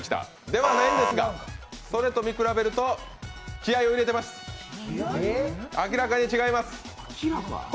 ではないんですが、それと見比べると、気合いを入れてます、明らかに違います。